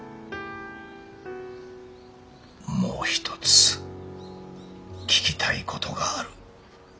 もう一つ聞きたい事がある。